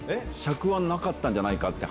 笏はなかったんじゃないかって。